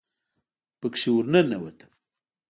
پکښې ورننوتم.